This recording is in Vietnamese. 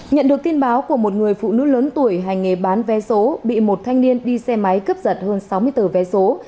nhận được tin báo của một người phụ nữ lớn tuổi hành nghề bán vé số bị một thanh niên đi xe máy cướp giật hơn sáu mươi tờ vé số